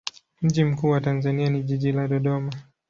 Mji mkuu wa Tanzania ni jiji la Dodoma.